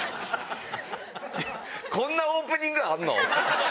こんなオープニングあんの？